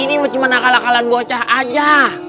ini mah cuman akalan akalan bocah aja